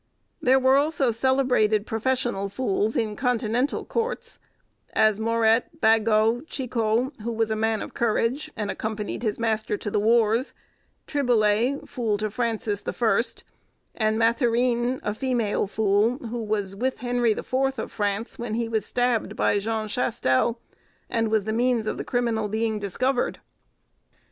There were also celebrated professional fools in continental courts, as Moret, Bagot, Chichot, who was a man of courage, and accompanied his master to the wars; Triboulet, fool to Francis the First; and Mathurine, a female fool, who was with Henry the Fourth of France when he was stabbed by Jean Chastel, and was the means of the criminal being discovered.